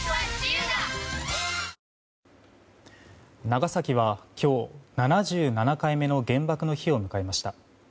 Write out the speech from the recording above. ＪＴ長崎は今日、７７回目の原爆の日を迎えました。